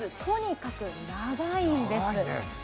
とにかく長いんです。